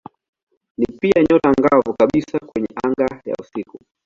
Ni pia nyota angavu kabisa kwenye anga ya usiku.